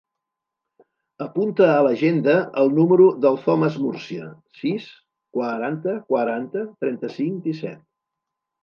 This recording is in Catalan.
Apunta a l'agenda el número del Thomas Murcia: sis, quaranta, quaranta, trenta-cinc, disset.